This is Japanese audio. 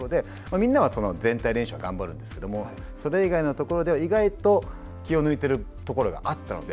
みんなは全体練習は頑張るんですけどそれ以外のところでは、意外と気を抜いてるところがあったので。